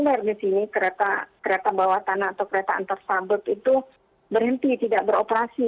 sehingga di osaka kereta bawah tanah atau kereta antarsabut itu berhenti tidak beroperasi